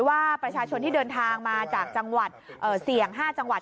ว่าประชาชนที่เดินทางมาจากจังหวัดเสี่ยง๕จังหวัด